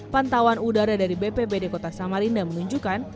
pantauan udara dari bpbd kota samarinda menunjukkan